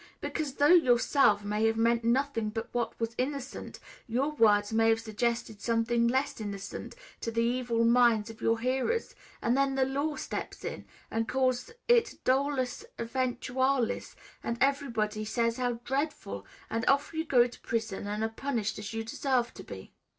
Because, though you yourself may have meant nothing but what was innocent, your words may have suggested something less innocent to the evil minds of your hearers; and then the law steps in, and calls it dolus eventualis, and everybody says how dreadful, and off you go to prison and are punished as you deserve to be."